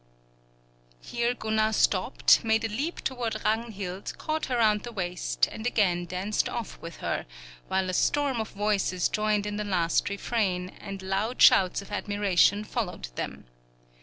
Here Gunnar stopped, made a leap toward Ragnhild, caught her round the waist, and again danced off with her, while a storm of voices joined in the last refrain, and loud shouts of admiration followed them.